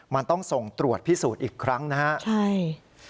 มันต้องส่งตรวจพิสูจน์อีกครั้งนะครับใช่